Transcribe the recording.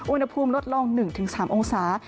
อุณหภูมิลดลงหนึ่งถึงสามองศา